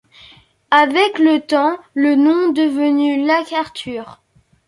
Avec le temps, le nom devenu Lac Arthur.